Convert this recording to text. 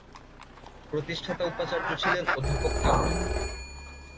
প্রতিষ্ঠাতা উপাচার্য ছিলেন অধ্যাপক কাদরী।